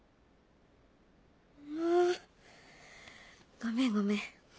あごめんごめん。